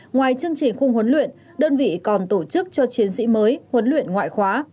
ngoài chương trình khung huấn luyện đơn vị còn tổ chức cho chiến sĩ mới huấn luyện ngoại khóa